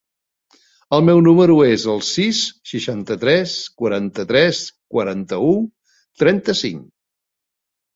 El meu número es el sis, seixanta-tres, quaranta-tres, quaranta-u, trenta-cinc.